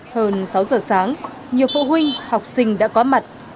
hơn sáu giờ sáng nhiều phụ huynh học sinh đã có mặt